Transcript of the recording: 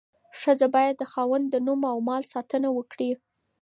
ښځه باید د خاوند د نوم او مال ساتنه وکړي.